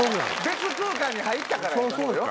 別空間に入ったからやと思う。